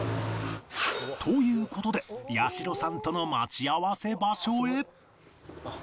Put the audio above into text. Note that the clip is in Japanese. という事で八代さんとの待ち合わせ場所へ